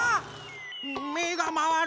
めがまわる！